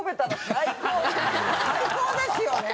最高ですよね！